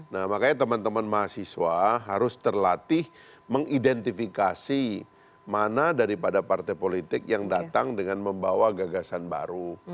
nah makanya teman teman mahasiswa harus terlatih mengidentifikasi mana daripada partai politik yang datang dengan membawa gagasan baru